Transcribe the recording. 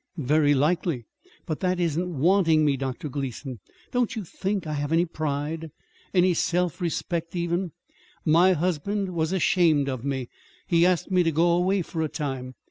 "Very likely; but that isn't wanting me. Dr. Gleason, don't you think I have any pride, any self respect, even? My husband was ashamed of me. He asked me to go away for a time.